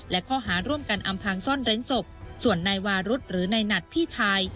และข้อหาร่วมกันอำพางซ่อนเร้นศพส่วนนายวารุธหรือนายหนัดพี่ชาย